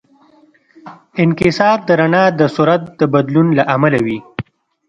انکسار د رڼا د سرعت د بدلون له امله وي.